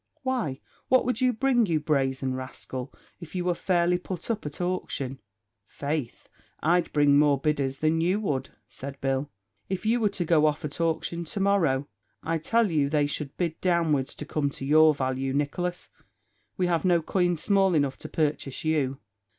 "Why, what would you bring, you brazen rascal, if you were fairly put up at auction?" "Faith, I'd bring more bidders than you would," said Bill, "if you were to go off at auction to morrow. I tell you they should bid downwards to come to your value, Nicholas. We have no coin small enough to purchase you."